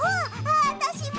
あたしも！